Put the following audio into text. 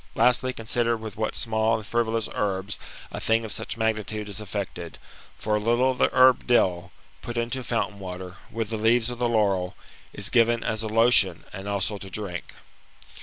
Lastly, consider with what small and frivolous herbs a thing of such magnitude is effected; for a little of the herb dill, put into fountain water, with the leaves of the laurel, is given as a lotion, and also to drink.